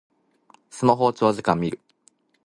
スマホを長時間みる